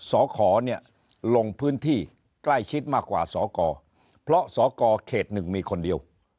สขเนี่ยลงพื้นที่ใกล้ชิดมากกว่าสกเพราะสกเขตหนึ่งมีคนเดียว